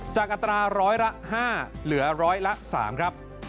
อัตราร้อยละ๕เหลือร้อยละ๓ครับ